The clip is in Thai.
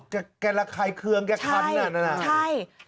ดูแกละไขเคืองแกละคันนั่นแหละนะพี่เมฆ